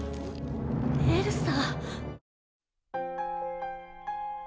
エルサ。